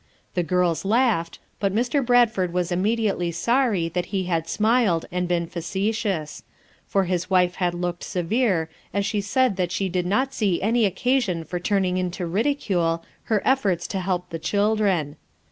The girls laughed, but Mr. Bradford was immediately sorry that he had smiled and been facetious; for his wife had looked severe as she said that she did not see any occasion for turning into ridicule her efforts to help the children.